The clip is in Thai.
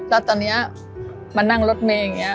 แล้วตอนนี้มานั่งรถเมย์อย่างนี้